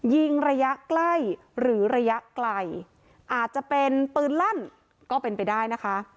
ยิงระยะใกล้หรือระยะไกลอาจจะเป็นปืนลั่นก็เป็นไปได้นะคะ